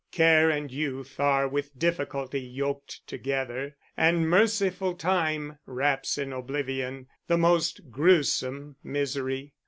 Care and youth are with difficulty yoked together, and merciful time wraps in oblivion the most gruesome misery.